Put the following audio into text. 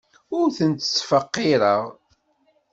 Ur tent-ttfeqqireɣ.